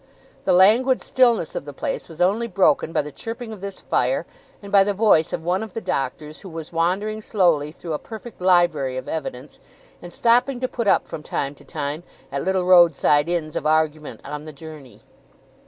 The languid stillness of the place was only broken by the chirping of this fire and by the voice of one of the Doctors, who was wandering slowly through a perfect library of evidence, and stopping to put up, from time to time, at little roadside inns of argument on the journey.